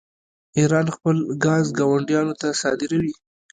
ایران خپل ګاز ګاونډیانو ته صادروي.